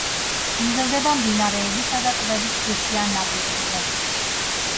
იზრდება მდინარეებისა და ტბების ქვიშიან ნაპირებზე.